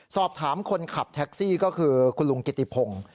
สอบถามคนขับแท็กซี่ก็คือคุณลุงกิติพงศ์